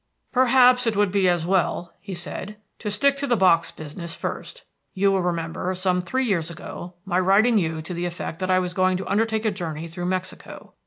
"Perhaps it would be as well," he said, "to stick to the box business first. You will remember, some three years ago, my writing you to the effect that I was going to undertake a journey through Mexico.